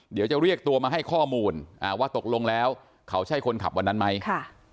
เดี๋ยวจะเรียกตัวมาให้ข้อมูลอ่าว่าตกลงแล้วเขาใช่คนขับวันนั้นไหมค่ะ